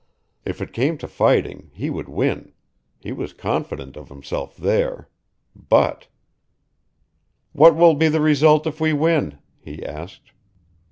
If it came to fighting, he would win. He was confident of himself there. But "What will be the result if we win?" he asked.